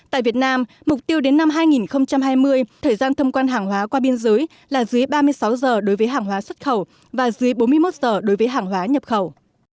tại việt nam mục tiêu đến năm hai nghìn hai mươi thời gian thông quan hàng hóa qua biên giới là dưới ba mươi sáu giờ đối với hàng hóa xuất khẩu và dưới bốn mươi một giờ đối với hàng hóa nhập khẩu